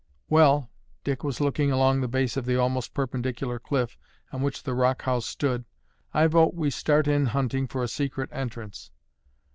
'" "Well," Dick was looking along the base of the almost perpendicular cliff on which the rock house stood, "I vote we start in hunting for a secret entrance."